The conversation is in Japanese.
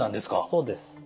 そうです。